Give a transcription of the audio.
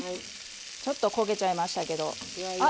ちょっと焦げちゃいましたけどあっ